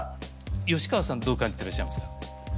吉川さんどう感じてらっしゃいますか？